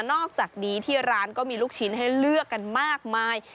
อกจากนี้ที่ร้านก็มีลูกชิ้นให้เลือกกันมากมาย